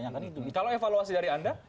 kalau evaluasi dari anda